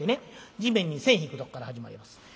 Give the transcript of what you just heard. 地面に線引くとこから始まります。